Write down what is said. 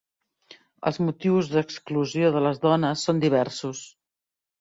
Els motius d'exclusió de les dones són diversos.